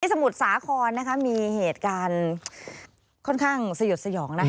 ในสมุดสาขอนนะคะมีเหตุการณ์ค่อนข้างสยดสยองนะ